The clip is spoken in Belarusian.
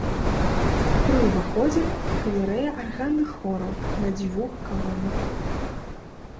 Пры ўваходзе галерэя арганных хораў на дзвюх калонах.